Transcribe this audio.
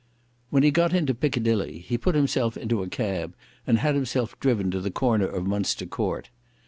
When he got into Piccadilly, he put himself into a cab, and had himself driven to the corner of Munster Court.